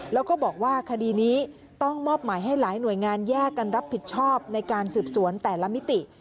แล้วก็บอกว่าคดีนี้ต้องมอบหมายให้หลายหน่วยงานแยกกันรับผิดชอบในการสืบสวนแต่ละมิติ